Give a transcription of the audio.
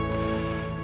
nggak ada airnya